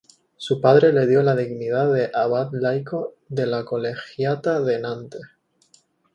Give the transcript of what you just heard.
Su padre le dio la dignidad de abad laico de la colegiata de Nantes.